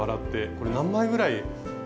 これ何枚ぐらい作って。